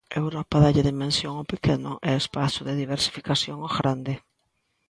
Europa dálle dimensión ao pequeno e espazo de diversificación ao grande.